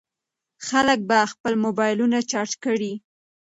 خلک به خپل موبایلونه چارج کړي.